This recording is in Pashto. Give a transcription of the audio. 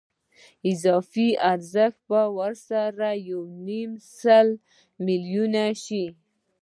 اضافي ارزښت به ورسره یو نیم سل میلیونه شي